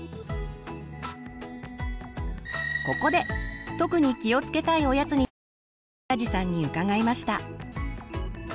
ここで特に気をつけたいおやつについて倉治さんに伺いました。